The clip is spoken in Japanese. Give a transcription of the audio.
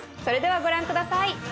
それではご覧下さい。